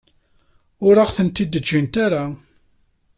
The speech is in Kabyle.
Ur aɣ-ten-id-ǧǧant ara.